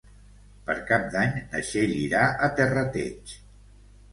Per Cap d'Any na Txell irà a Terrateig.